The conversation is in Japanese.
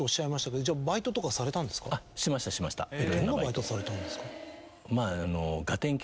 どんなバイトされたんですか？